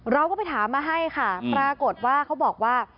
เราก็ไปถามมาให้ค่ะปรากฏว่าเขาบอกว่า